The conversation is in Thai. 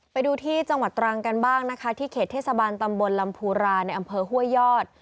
ไปดูที่จังหวัดตรังกันบ้างนะคะที่เขตเทศบาลตำบลลำพูราในอำเภอห้วยยอด